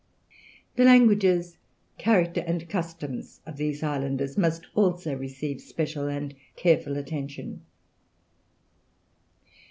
The languages, character, and customs of these islanders must also receive special and careful attention."